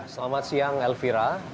selamat siang elvira